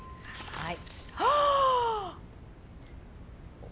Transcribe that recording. はい。